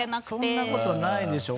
そんなことないでしょ。